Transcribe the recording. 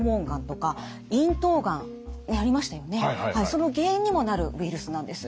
その原因にもなるウイルスなんです。